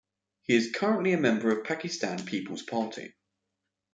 He is currently a member of Pakistan People's Party.